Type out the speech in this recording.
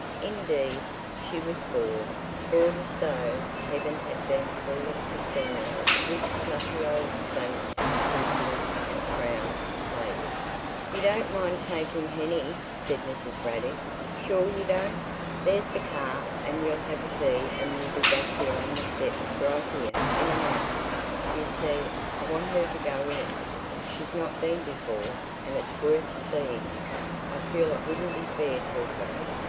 Indeed, she was bored—bored as though Heaven had been full of casinos with snuffy old saints for croupiers and crowns to play with. "You don't mind taking Hennie?" said Mrs. Raddick. "Sure you don't? There's the car, and you'll have tea and we'll be back here on this step—right here—in an hour. You see, I want her to go in. She's not been before, and it's worth seeing. I feel it wouldn't be fair to her."